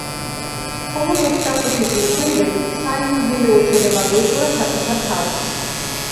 მხოლოდ ოცდახუთი წლის შემდეგ, საიუბილეო ჩვენებაზე უყურა საკუთარ თავს.